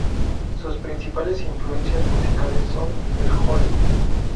Sus principales influencias musicales son el Hole.